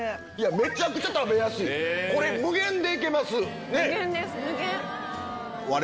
めちゃくちゃ食べやすいこれ無限でいけます。